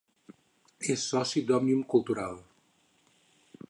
És soci d'Òmnium Cultural.